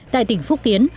tại tỉnh phúc kiến